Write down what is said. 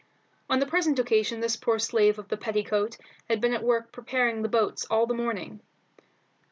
On the present occasion this poor slave of the petticoat had been at work preparing the boats all the morning.